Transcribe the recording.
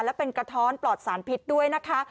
และเป็นกระท้อนปลอดสารพิษด้วยนะคะ